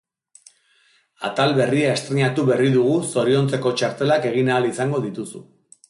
Atal berria estreinatu berri dugu zoriontzeko txartelak egin ahal izango dituzu.